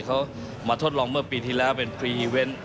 เขามาทดลองเมื่อปีที่แล้วเป็นพรีอีเวนต์